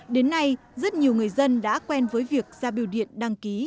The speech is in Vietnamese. đến nay rất nhiều người dân đã quen với việc ra biêu điện đăng ký